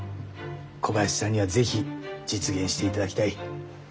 小林さんには是非実現していただきたい。